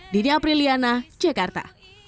dini apriliana jakarta